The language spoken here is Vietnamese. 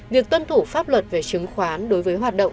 việc tuân thủ pháp luật về chứng khoán